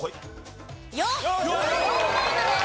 ４。４ポイントです。